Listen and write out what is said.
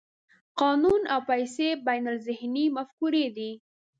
قانون او پیسې بینالذهني مفکورې دي.